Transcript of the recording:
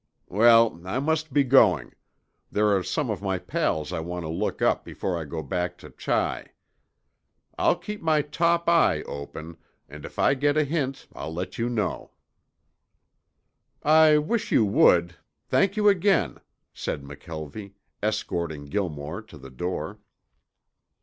Well, I must be going. There are some of my pals I want to look up before I go back to Chi. I'll keep my top eye open, and if I get a hint I'll let you know." "I wish you would. Thank you again," said McKelvie, escorting Gilmore to the door.